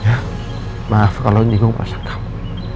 ya maaf kalau nyinggung perasaan kamu